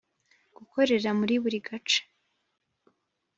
Gukorerwa muri buri gace